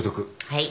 はい。